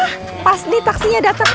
wah pas nih taksinya datang